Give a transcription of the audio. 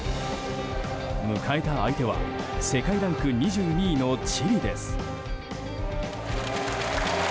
迎えた相手は世界ランク２２位のチリです。